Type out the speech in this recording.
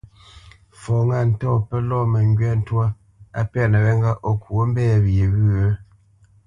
Fɔ ŋâ ntɔ̂ pə́ lɔ̂ məngywá ntwá á pɛ́nə wé ŋgâʼ o ŋkwǒ nə mbɛ̂ wye wyə̂?